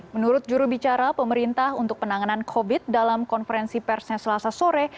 menurut jurubicara pemerintah untuk penanganan covid dalam konferensi persnya selasa sore